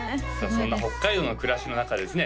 そんな北海道の暮らしの中ですね